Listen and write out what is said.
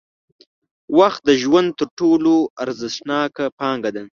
وخت د ژوند تر ټولو ارزښتناکه پانګه ده.